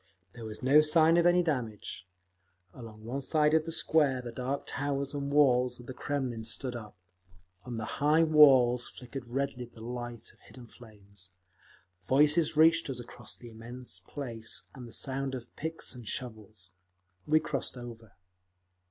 There was no sign of any damage…. Along one side of the square the dark towers and walls of the Kremlin stood up. On the high walls flickered redly the light of hidden flames; voices reached us across the immense place, and the sound of picks and shovels. We crossed over.